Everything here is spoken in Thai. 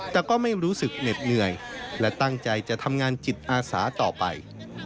แต่ก็ไม่รู้สึกเหน็ดเหนื่อยและตั้งใจจะทำงานจิตอาสาต่อไป